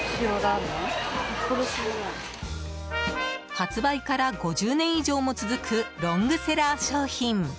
発売から５０年以上も続くロングセラー商品。